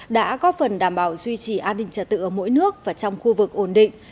đã có phần đảm bảo duy trì an ninh trật tự ở mỗi nước và trong khu vực ổn định